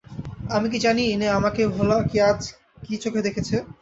আমি কি জানি নে আমাকে হলা আজ কী চোখে দেখছে।